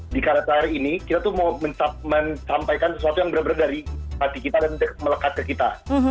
di karet air ini kita tuh mau menyampaikan sesuatu yang benar benar dari hati kita dan melekat ke kita